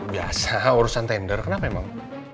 biasa urusan tender kenapa memang